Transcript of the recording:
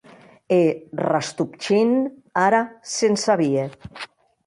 E Rastopchin ara se’n sabie.